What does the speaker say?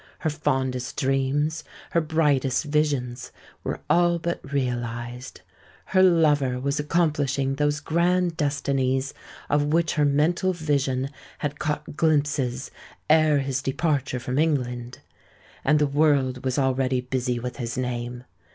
Her fondest dreams—her brightest visions were all but realised: her lover was accomplishing those grand destinies of which her mental vision had caught glimpses ere his departure from England; and the world was already busy with his name.